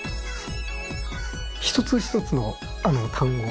一つ一つの単語